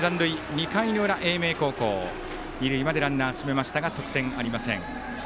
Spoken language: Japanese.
２回の裏、英明高校二塁までランナー進めましたが得点ありません。